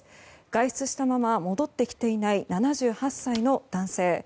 外出したまま戻ってきていない７８歳の男性。